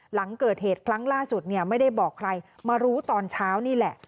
หลังเกิดเหตุครั้งล่าสุดเนี่ยไม่ได้บอกใครมารู้ตอนเช้านี่แหละ